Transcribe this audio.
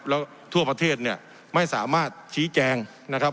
แล้วทั่วประเทศเนี่ยไม่สามารถชี้แจงนะครับ